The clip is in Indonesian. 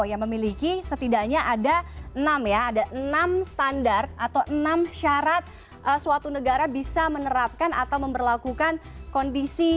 yang memiliki setidaknya ada enam ya ada enam standar atau enam syarat suatu negara bisa menerapkan atau memperlakukan kondisi